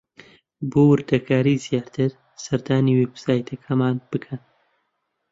بۆ وردەکاریی زیاتر سەردانی وێبسایتەکەمان بکەن.